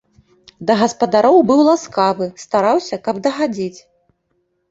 Да гаспадароў быў ласкавы, стараўся, каб дагадзіць.